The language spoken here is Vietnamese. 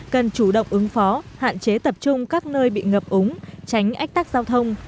cần chủ động ứng phó hạn chế tập trung các nơi bị ngập úng tránh ách tắc giao thông